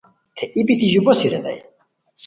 تھے ای بیتی ژیبوسی ریتائے